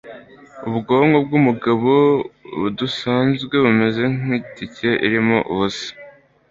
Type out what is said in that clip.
Ubwonko bwumugabo mubusanzwe bumeze nk’itike irimo ubusa"